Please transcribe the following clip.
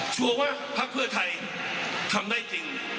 ชัวร์ว่าพักเพื่อไทยทำได้จริง